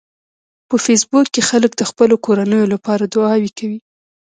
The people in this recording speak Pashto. په فېسبوک کې خلک د خپلو کورنیو لپاره دعاوې کوي